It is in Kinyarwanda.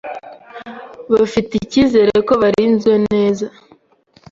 bafite icyizere ko barinzwe neza